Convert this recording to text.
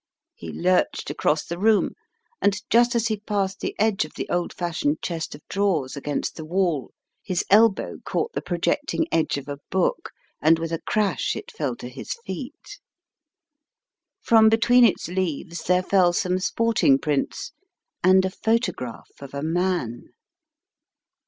He lurched across the room and just as he passed the edge of the old fashioned chest of drawers against the wall, his elbow caught the projecting edge of a book, and with a crash it fell to his feet. From be tween its leaves there fell some sporting prints, and a photograph of a man.